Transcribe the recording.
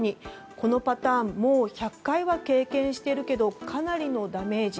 このパターンもう１００回は経験してるけどかなりのダメージ。